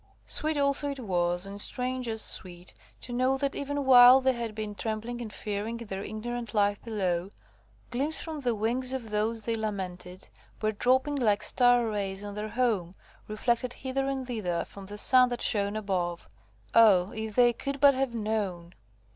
Sweet also it was, and strange as sweet, to know that even while they had been trembling and fearing in their ignorant life below, gleams from the wings of those they lamented, were dropping like star rays on their home, reflected hither and thither from the sun that shone above. Oh! if they could but have known!